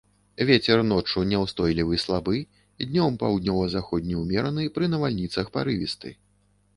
Вецер ноччу няўстойлівы слабы, днём паўднёва-заходні ўмераны, пры навальніцах парывісты.